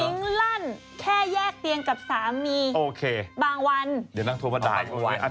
นิงลั่นแค่แยกเตียงอยู่กับสามีบางวัน